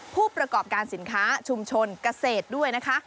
ผู้ประกอบการสินค้าชุมชนเกษตรด้วยนะคะ